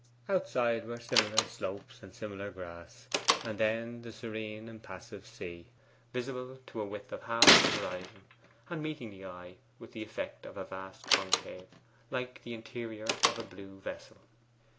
Outside were similar slopes and similar grass; and then the serene impassive sea, visible to a width of half the horizon, and meeting the eye with the effect of a vast concave, like the interior of a blue vessel.